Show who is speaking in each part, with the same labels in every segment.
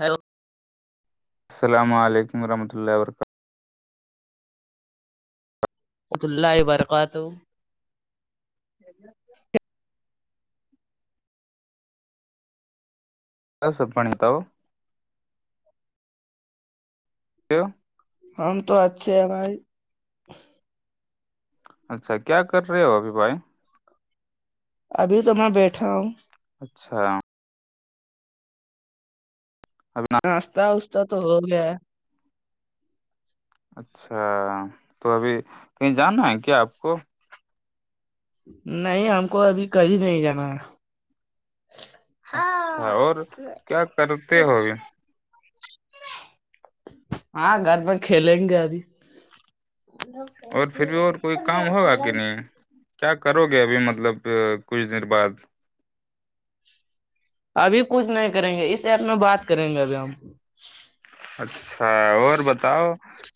Speaker 1: Hello
Speaker 2: السلام علیکم ورحمۃ اللہ و برکاتہ
Speaker 1: خت اللہ برکات ہو
Speaker 2: [unintelligible] کیا سب بنیتاؤ کی
Speaker 1: ہم تو اچھے ہیں بھائی
Speaker 2: اچھا کیا کر رہے ہو ابھی بھائی
Speaker 1: ابھی تو میں بیٹھا ہوں
Speaker 2: اچھا ابنا
Speaker 1: ناستاہ استا تو ہوگ گ
Speaker 2: اچھا تو ابھی کہیں جانا ہے کیا آپ کو
Speaker 1: نہیں ہم کو ابھی کبھی نہیں جانا ہے
Speaker 2: اچھا اور کیا کرتے ہو ابھی
Speaker 1: ہاں گھر پرت کھیلیں گے ابھی
Speaker 2: اور پھر بھی اور کوئی کام ہوگا کہ نہیں کیا کرو گے ابھی مطلب کچھ دیر بعد
Speaker 1: ابھی کچھ نہیں کریں گے اس ایپ میں بات کریں گے ابھی ہم
Speaker 2: اچھا اور بتاؤ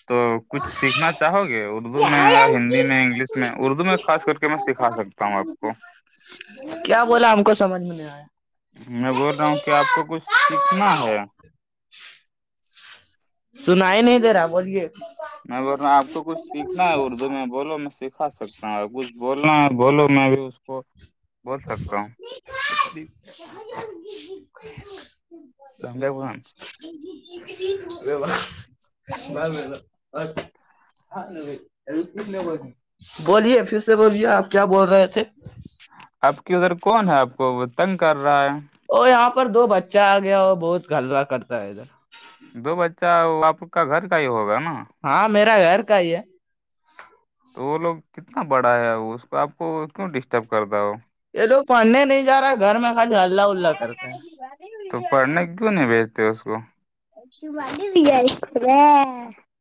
Speaker 2: تو کچھ سیکھنا چاہو گے اردو میں یا ہندی میں انگلش میں اردو میں خاص کر کے میں سکھا سکتی ہوں تا ہوں آپ کو
Speaker 1: کیا بولا ہم کو سمجھ میں نہیں آیا
Speaker 2: میں بول رہا ہوں کہ آپ کو کچھ سیکھنا ہے
Speaker 1: سنائی نہیں دے رہا بولیے
Speaker 2: میں بول آپ کو کچھ سیکھنا ہے اردو میں بولو میں سکھا سکتا ہوں کچھ بولنا بولو میں بھی اس کو بول سکتا ہوں
Speaker 1: [unintelligible]
Speaker 2: دنگے
Speaker 1: بھان
Speaker 2: [unintelligible]
Speaker 1: جب ب ہاں ک لیب بولیے پھر سے بوولے آپ کیا بول رہے تھے
Speaker 2: آپ کی ادھر کون ہے آپ کو وہ تنگ کر رہا ہے
Speaker 1: اور یہاں پر دو بچہ آ گیا اور بہت گھلوا کرتا ہے ادھر
Speaker 2: دو بچہ آپ کا گھر کا ہی ہوگا نا
Speaker 1: ہاں میرا گھر کا ہی ہے
Speaker 2: تو وہ لوگ کتنا بڑا ہے اس کو آپ کو کیوں ڈسٹرب کرتا ہو
Speaker 1: یہ لوگ پڑھنے نہیں جا رہا ہے گھر میں خاج ہلہ الہ کرتے ہیں
Speaker 2: تو پڑھنے کیوں نہیں بیجتے اس کو [unintelligible]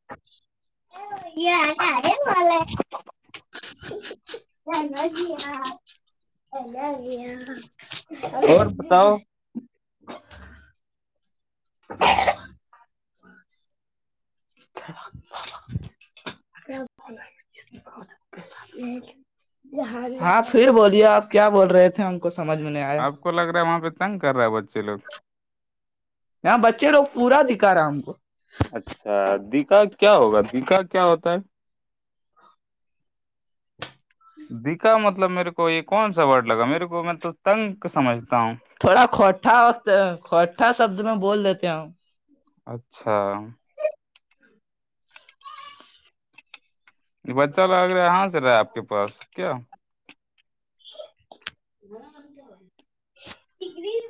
Speaker 2: [unintelligible]
Speaker 1: [unintelligible]
Speaker 2: اور بتاؤ
Speaker 1: [unintelligible] ہاں پھر بولیے آپ کیا بول رہے تھے ہم کو سمجھ میں نہیں آیا
Speaker 2: آپ کو لگ رہا ہے وہاں پہ تنگ کر رہا ہے بچے لگ
Speaker 1: بچے لوگ پورا دکھا رہا ہم کو
Speaker 2: اچھا دیکا کیا ہوگا دیکا کیا ہوتا ہے دکھا مطلب میرے کو یہ کون سا ورڈ لگا میرے کو میں تو تنگ سمجھتا ہوں
Speaker 1: تھوڑا کھوٹھا وقت کھوٹھا شبد میں بول دیتے ہیں
Speaker 2: اچھا یہ بچہ لگا گ رہا یہاں سے رہا آپ کے پاس کیا
Speaker 1: [unintelligible]
Speaker 2: پگری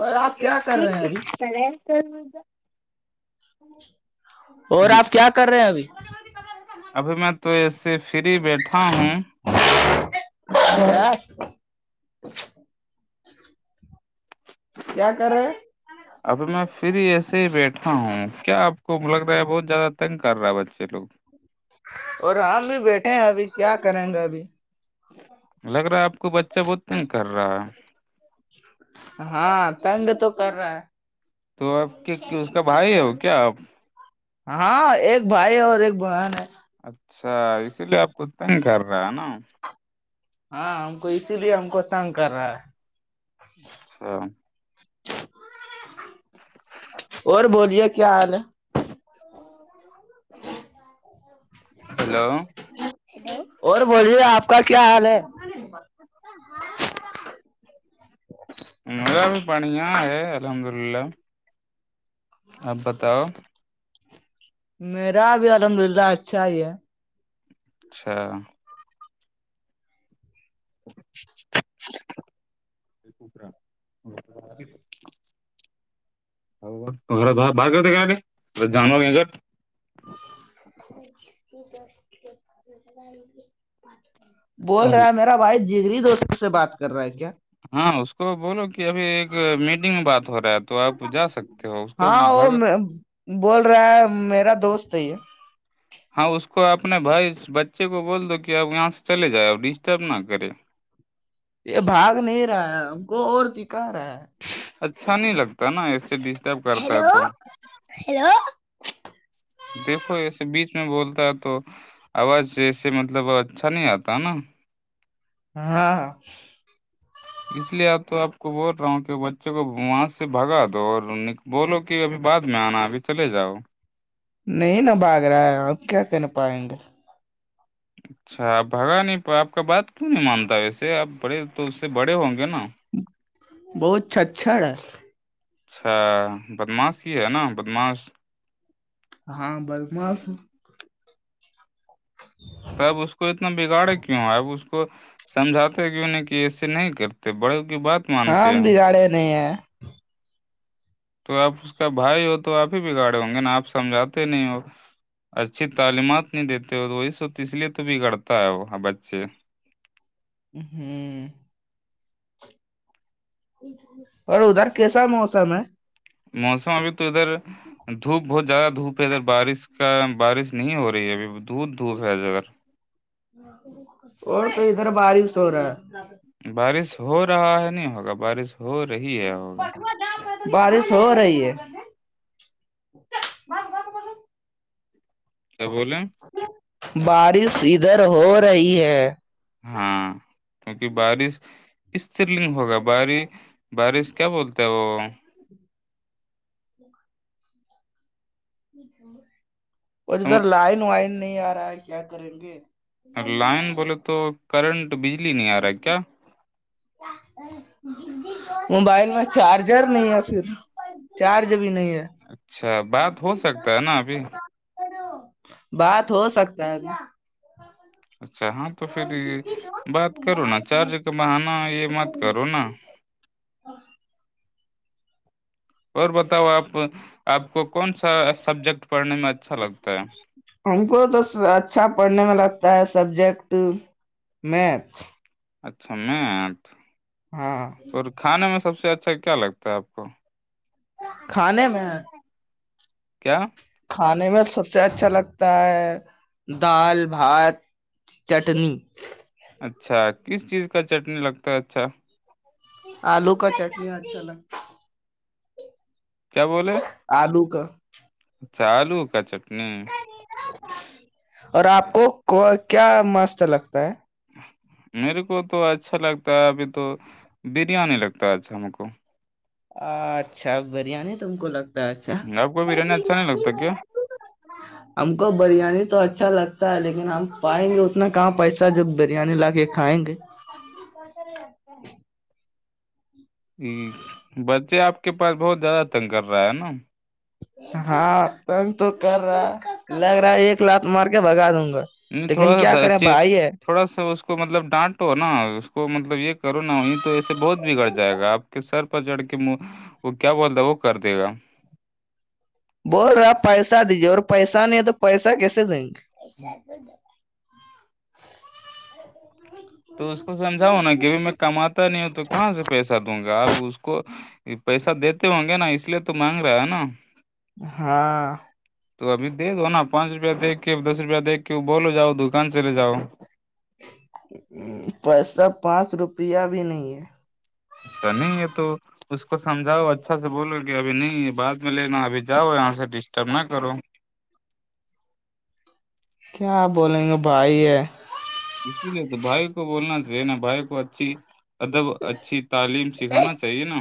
Speaker 1: اور آپ کیا کر رہے ہیں ابھی اور آپ کیا کر رہے ہیں ابھی
Speaker 2: ابھی میں تو ایسے فری بیٹھا ہوں
Speaker 1: ہ کیا کر رہے ہیں؟
Speaker 2: اب میں پھر ایسے ہی بیٹھا ہوں کیا آپ کو لگ رہا ہے بہت زیادہ تنگ کر رہا ہے بچے لوگ
Speaker 1: اور ہم بھی بیٹھے ہیں ابھی کیا کریں گا ابھی
Speaker 2: لگ رہا ہے آپ کو بچہ بہتتےن کر رہا ہے
Speaker 1: ہاں پینڈ تو کر رہا ہے
Speaker 2: تو آپ کے اس کا بھائی ہو کیا آپ
Speaker 1: ہاں ایک بھائی اور ایک بہن ہے
Speaker 2: اچھا اسی لیے آپ خود ت نہیں کر رہے ہے نا
Speaker 1: ہاں ہم کو اسی لیے ہم کو تنگ کر رہا ہے
Speaker 2: اچھا
Speaker 1: اور بولیے کیا حال ہے
Speaker 2: ہیلوو
Speaker 1: اور بولیے آپ کا کیا حال ہے
Speaker 2: اھا ہائے س مذا بھی پانییاں الحمد اللہ آب بتاؤ
Speaker 1: میرا ابھی الحمد للہ اچھا ہی ہے
Speaker 2: اچھا باہ باہر کرتے گے جانور کے گھر
Speaker 1: [inaudible] بول
Speaker 2: اگر
Speaker 1: رہا ہے میرا وائف جگری دوست سے بات کر رہا ہے کیا
Speaker 2: ہاں اس کو بولو کہ ابھی ایک میٹنگ میں بات ہو رہا ہے تو آپ جا سکتے ہو اس کو
Speaker 1: ہاں وہ
Speaker 2: بھگ
Speaker 1: میں بول رہا ہے میرا دوست ہے یہ
Speaker 2: ہاں اس کو اپنے بھائی بچے کو بول دو کہ اب یہاں سے چلے جائے ا ڈسٹرب نہ کرے
Speaker 1: یہ بھاگ نہیں رہا ہے ہم کو اور دکھا رہا ہے
Speaker 2: اچھا نہیں لگتا نا ایسے ڈسٹرب کرتا ہے تو دیکھو ایسے بیچ میں بولتا ہے تو آواز جیسے مطلب اچھا نہیں آتا نا
Speaker 1: ہاں ہاں
Speaker 2: اس لیے تو آپ کو بول رہا ہوں کہ بچے کو وہاں سے بھگا دو اور بولو کہ ابھی بعد میں آنا ہے ابھی چلے جاؤ
Speaker 1: نہیں ن بھاگ رہا ہے آپ کیا کر پائیں گے
Speaker 2: اچھا بھگا نہیں آپ کا بات کیوں نہیں مانتا ویسے آپ بڑے تو اس سے بڑے ہوں گے نا
Speaker 1: بہت چچچاا
Speaker 2: اچھا بدماش ہی ہے نا بدماس
Speaker 1: ہاں برمف
Speaker 2: تو اب اس کو اتنا بگاڑ کیوں اب اس کو سمجھاتے کیوں نہیں کہ اسے نہیں کرتے تو بڑے کی بات
Speaker 1: ہاں
Speaker 2: مانتے
Speaker 1: ہم
Speaker 2: ہیں
Speaker 1: بگاڑے نہیں ہے
Speaker 2: تو آپ اس کا بھائی ہو تو آپ ہی بگاڑے ہوں گے نا آپ سمجھاتے نہیں ہوگا اچھی تعلیمات نہیں دیتے ہو تو وہی سب اس لیے تو بگڑتا ہے وہ بچے
Speaker 1: ہوں اور ادھر کیسا موسم ہے
Speaker 2: موسم ابھی تو ادھر دھوپ بہت زیادہ دھوپ ہے ادھر بارش کیا بارش نہیں ہو رہی ہے ابھی دھودھ دھوپ ہے جگر
Speaker 1: اور کو ادھر بارش ہو رہا ہے
Speaker 2: بارش ہو رہا ہے نہیں ہوگا بارش ہو رہی ہے ہوگا
Speaker 1: بارش ہو رہی ہے
Speaker 2: کیا بولیں
Speaker 1: بارش ادھر ہو رہی ہے
Speaker 2: ہاں کیونکہ بارش استلنگ ہوگا بار بارش کیا بولتے ہیں وہ
Speaker 1: اور ادھر
Speaker 2: سم-
Speaker 1: لائن وائن نہیں آ رہا ہے کیا کریں گے
Speaker 2: لائن بولے تو کرنٹ بجلی نہیں آ رہا ہے کیا
Speaker 1: موبائل میں چارجر نہیں ہے پھر چارج بھی نہیں ہے
Speaker 2: اچھا بات ہو سکتا ہے نا ابھی
Speaker 1: بات ہو سکتا ہے اب
Speaker 2: اچھا ہاں تو پھر یہ بات کرو نا چارج کا بہانا یہ مت کرو نا
Speaker 1: [inaudible]
Speaker 2: اور بتاؤ آپ آپ کو کون سا سبجیکٹ پڑھنے میں اچھا لگتا ہے
Speaker 1: ہم کو تو اچھا پڑھنے میں لگتا ہے سبجیکٹ میتھ
Speaker 2: اچھا میں آٹ
Speaker 1: ہاں
Speaker 2: اور کھانے میں سب سے اچھا کیا لگتا ہے آپ کو
Speaker 1: کھانے میں
Speaker 2: کیا
Speaker 1: کھانے میں سب سے اچھا لگتا ہے دال بھات چٹنی
Speaker 2: اچھا کس چیز کا چٹنی لگتا ہے اچھا
Speaker 1: آلو کا چٹنی اچھا لگ
Speaker 2: کیا بولے
Speaker 1: آلو کا
Speaker 2: چالو کا چٹنی
Speaker 1: اور آپ کو کیا مست لگتا ہے
Speaker 2: میرے کو تو اچھا لگتا ہے ابھی تو بریانی لگتا ہے اچھا میر کو
Speaker 1: اچھا بریانی تم کو لگتا ہے اچھا
Speaker 2: اب کو بھی رہنے اچھا نہیں لگتا کیا
Speaker 1: ہم کو بریانی تو اچھا لگتا ہے لیکن ہم پائیں گے اتنا کہاں پیسہ جب بریانی لا کے اٹھائیں گے
Speaker 2: سا جگتا بچے آپ کے پاس بہت زیادہ تنگ کر رہا ہے نا
Speaker 1: ہاں کم تو کر رہا لگ رہا ہے ایک کلاات مار کے بگا دوں گا
Speaker 2: نہیں
Speaker 1: لیکن
Speaker 2: تھوڑا
Speaker 1: کیا
Speaker 2: سا
Speaker 1: کریں
Speaker 2: اچھے
Speaker 1: بھائی ہے
Speaker 2: تھوڑا سا اس کو مطلب ڈانٹو نا اس کو مطلب یہ کرو نا وہیں تو ایسے بہت بگڑ جائے گا آپ کہ سر پر چڑ کے وہ کیا بولتا وہ کر دے گا
Speaker 1: بول رہا آپ پیسہ دیجیے اور پیسانی نہیں ہے تو پیسہ کیسے دیں گے
Speaker 2: تو اس کو سمجھاؤ نا کہ بائی میں کماتا نہیں ہوں تو کہاں سے پیسہ دوں گا آپ اس کو یہ پیسہ دیتے ہوں گے نا اس لیے تو مانگ رہا ہے نا
Speaker 1: ہاں
Speaker 2: تو ابھی دے دو نا پانچ روپیہ دےھ کے دس روپیہ دے کے بولو جاؤ دکان چلے جاؤ
Speaker 1: پیسہ پانچ روپیہ بھی نہیں ہے
Speaker 2: نہیں یہ تو اس کو سمجھاؤ اچھا سے بولو کہ اب نہیں بد میں لینا جاؤ یہاں سے ڈسٹرب نہ کرو
Speaker 1: کیاپ بولیں گے بھائی ہے
Speaker 2: اس لیے تو بھائی کو بولنا رہے نا بھائی کو اچھی ادب اچھی تعلیم سکھانا چاہیے نا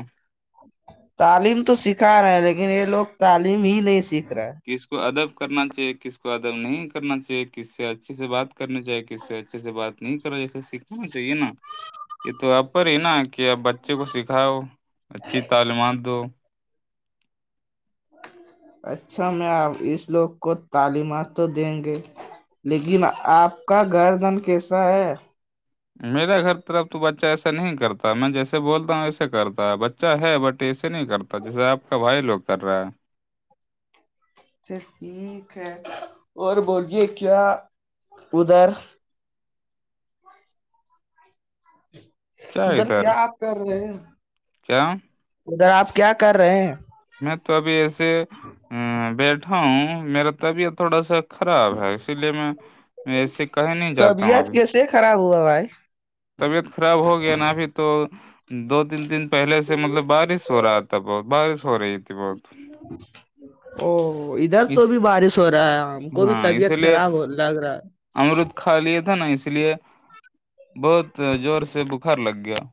Speaker 1: اچ [inaudible] تعلیم تو سکھا رہے ہیں لیکن یہ لوگ تعلیم ہی نہیں سیکھ رہے
Speaker 2: کس کو ادب کرنا چاہیے کس کو ادب نہیں کرنا چاہیے کس سے اچھے سے بات کرنے جائے کس سے اچھے سے بات نہیں کرا جیسے سیکھنا چاہیے نا یہ تو ا پر ہی نا کہ آپ بچے کو سکھاؤ اچھی تعلیمات دو
Speaker 1: اچھا میں آپ اس لوگ کو تعلیمات تو دیں گے لیکن آپ کا گھر دن کیسا ہے
Speaker 2: میرے گھر طرف تو بچہ ایسا نہیں کرتا میں جیسے بولتا ہوں ویسے کرتا ہے بچ اچھا ہے بٹ ایسے نہیں کرتا جیسے آپ کا بھائی لوگ کر رہا ہے
Speaker 1: اچھا ٹھیک ہے اور بوے کیا ادھر ادھر کیا آپ کر رہے ہیں
Speaker 2: کیا
Speaker 1: ادھر آپ کیا کر رہے ہیں
Speaker 2: میں تو ابھی ایسے بیٹھا ہوں میرا تو ابھی تھوڑا سا خراب ہے اسی لیے میں ایسے کہ نہیں جاتا ہوں
Speaker 1: طبیعت
Speaker 2: ابھی
Speaker 1: کیسے خراب ہوا ہوا ہے
Speaker 2: طبیعت خراب ہو گیا نا ابھی تو دو تین دن پہلے سے مطلب بارش ہو رہا تھا بہت بارش ہو رہی تھی بہت
Speaker 1: او [inaudible] ادھر تو
Speaker 2: اس
Speaker 1: بھی بارش ہو رہا ہے ہم کو بھی طبیعت خراب ہو لگ رہا ہے
Speaker 2: امرد کھا لیا تھا نا اس لیے بہت زور سے بخار لگ گیا [unintelligible]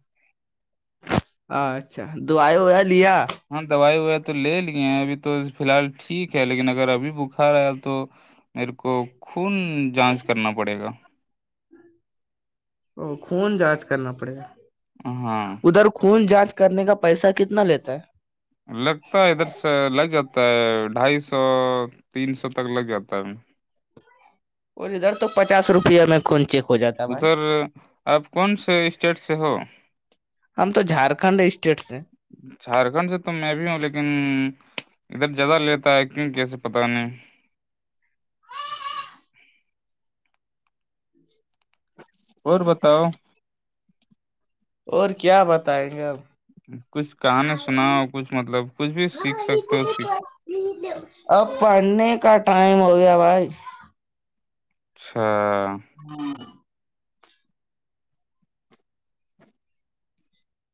Speaker 1: اچھا دائی ویا لیا
Speaker 2: ہاں دوائی وائی تو لے لیے ہیں ابھی تو فی الحال ٹھیک ہے لیکن اگر ابھی بخار آیا تو [unintelligible] میرے کو خون جانچ کرنا پڑے گا
Speaker 1: خون جانچ کرنا پڑے گا
Speaker 2: ہاں
Speaker 1: ادھر خون جانچ کرنے کا پیسہ کتنا لیتا ہے
Speaker 2: لگتا ہے ادھر سے لگ جاتا ہے ڈھائی سو تین سو تک لگ جاتا ہے
Speaker 1: اور ادھر تو پچاس روپے میں کون چیک ہو جاتا بھائی
Speaker 2: ادھر آپ کون سے اسٹیٹ سے ہو
Speaker 1: ہم تو جھارکھنڈ اسٹیٹ سے
Speaker 2: جھارکھنڈ سے تو میں بھی ہوں لیکن ادھر زیادہ لیتا ہے کیوں کیسے پت نہیں [inaudible] اور بتاؤ
Speaker 1: اور کیا بتائیں گے اب
Speaker 2: کچھ کہانی
Speaker 1: ہ
Speaker 2: سناؤ کچھ مطلب کچھ بھی سیکھ
Speaker 1: ہاں یہ
Speaker 2: سکتے ہو سیکھ۔
Speaker 1: بھی [inaudible] اب پڑھنے کا ٹائم ہو گیا بھائی
Speaker 2: اچھا [inaudible]
Speaker 1: ہوں [inaudible]